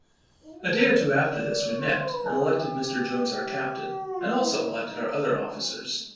A day or two after this we met and elected Mr. Jones our captain, and also elected our other officers.